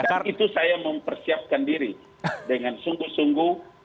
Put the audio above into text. dan itu saya mempersiapkan diri dengan sungguh sungguh